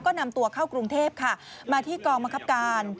ก็นำตัวเข้ากรุงเทพค่ะมาที่กองบังคับการ